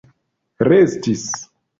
restis